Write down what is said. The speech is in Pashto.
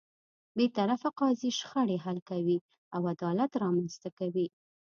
بېطرفه قاضی شخړې حل کوي او عدالت رامنځته کوي.